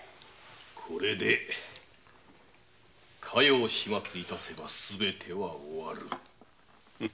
これで加代を始末致せばすべては終わる。